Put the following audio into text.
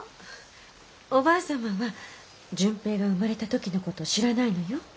おばあ様は純平が生まれた時の事知らないのよ。